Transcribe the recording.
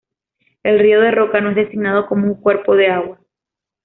El río de roca no es designado como un cuerpo de agua.